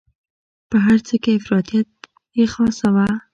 په هر څه کې افراطیت یې خاصه وه.